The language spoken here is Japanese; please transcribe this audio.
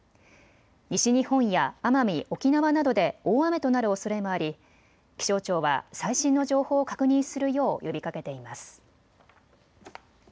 西日本や奄美・沖縄などで大雨となるおそれもあり気象庁は最新の情報を確認するよう呼びかけています。